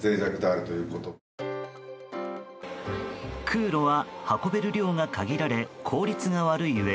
空路は運べる量が限られ効率が悪いうえ